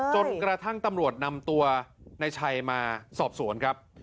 จนกระทั่งตำรวจนำตัวนายชัยมาสอบสวนครับ